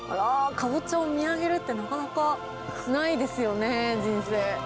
カボチャを見上げるってなかなかないですよね、人生。